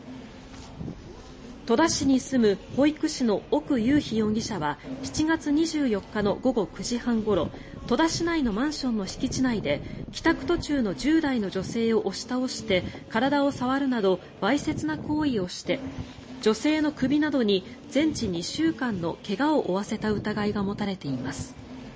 戸田市に住む保育士の奥雄飛容疑者は７月２４日の午後９時半ごろ戸田市内のマンションの敷地内で帰宅途中の１０代の女性を押し倒して、体を触るなどわいせつな行為をして女性の首などに全治２週間の怪我を負わせた疑いが持たれています。